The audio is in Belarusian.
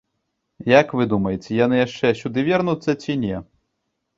Як вы думаеце, яны яшчэ сюды вернуцца ці не?